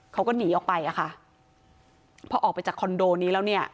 เขาก็หนีออกไปอ่ะค่ะพอออกไปจากคอนโดนี้แล้วเนี่ย